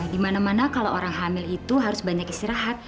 dimana mana kalau orang hamil itu harus banyak istirahat